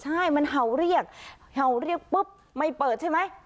ใช่มันเห่าเรียกเห่าเรียกปุ๊บไม่เปิดใช่ไหม